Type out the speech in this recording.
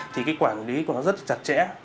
thì cái quản lý của nó rất chặt chẽ